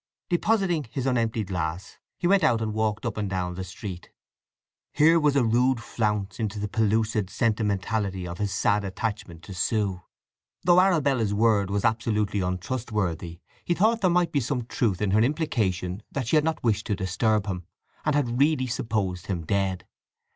Depositing his unemptied glass he went out and walked up and down the street. Here was a rude flounce into the pellucid sentimentality of his sad attachment to Sue. Though Arabella's word was absolutely untrustworthy, he thought there might be some truth in her implication that she had not wished to disturb him, and had really supposed him dead.